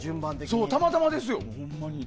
たまたまですよ。